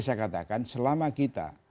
saya katakan selama kita